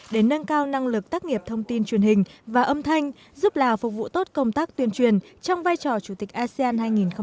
để nâng cao năng lực tác nghiệp thông tin truyền hình và âm thanh giúp lào phục vụ tốt công tác tuyên truyền trong vai trò chủ tịch asean hai nghìn hai mươi